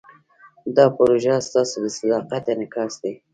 دا پروژه ستاسو د صداقت انعکاس دی.